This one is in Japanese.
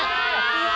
うわ！